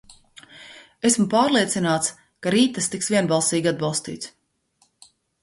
Esmu pārliecināts, ka rīt tas tiks vienbalsīgi atbalstīts.